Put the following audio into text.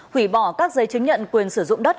hủy bỏ các giấy chứng nhận quyền sử dụng đất